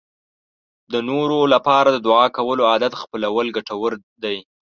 د نورو لپاره د دعا کولو عادت خپلول ګټور دی.